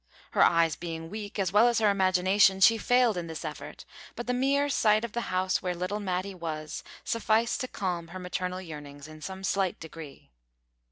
Her eyes being weak, as well as her imagination, she failed in this effort, but the mere sight of the house where little Matty was, sufficed to calm her maternal yearnings in some slight degree.